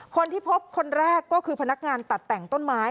คนที่พบคนแรกก็คือพนักงานตัดแต่งต้นไม้